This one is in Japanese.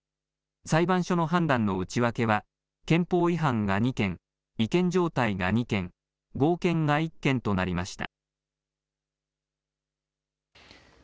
裁判所の判断の内訳は憲法違反が２件、違憲状態が２件、合憲が１件となりました。